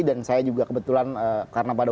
dan saya juga kebetulan karena pada